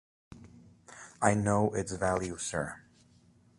I know its value, sir.